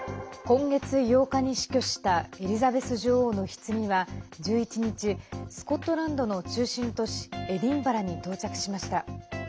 今月８日に死去したエリザベス女王のひつぎは１１日スコットランドの中心都市エディンバラに到着しました。